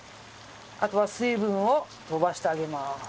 あとは水分を飛ばしてあげます。